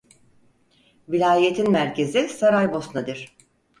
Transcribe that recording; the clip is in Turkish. Vilayetin merkezi Saraybosna'dir.